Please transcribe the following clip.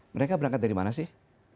mereka berangkat dari mana sih